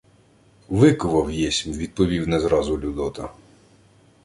— Викував єсмь... — відповів не зразу Людота.